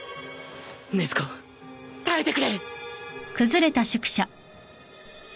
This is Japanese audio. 禰豆子耐えてくれ！